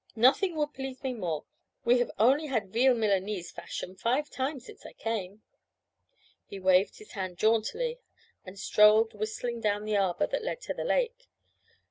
'Nothing would please me more. We have only had veal Milanese fashion five times since I came.' He waved his hand jauntily and strolled whistling down the arbour that led to the lake.